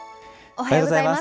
おはようございます。